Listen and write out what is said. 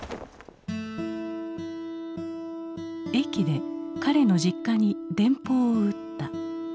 駅で彼の実家に電報を打った。